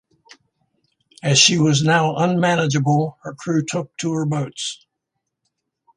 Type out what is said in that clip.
As she was now unmanageable her crew took to her boats.